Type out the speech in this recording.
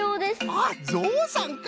あっぞうさんか！